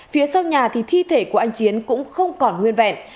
phía sau nhà thì thi thể của anh chiến cũng không còn nguyên vẹn